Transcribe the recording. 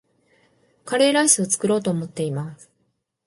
カレーライスを作ろうと思っています